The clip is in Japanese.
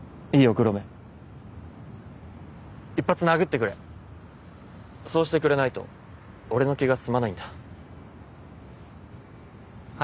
黒目一発殴ってくれそうしてくれないと俺の気が済まないんだは